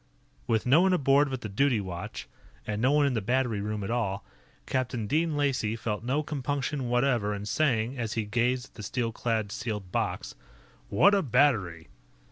With no one aboard but the duty watch, and no one in the battery room at all, Captain Dean Lacey felt no compunction whatever in saying, as he gazed at the steel clad, sealed box: "What a battery!"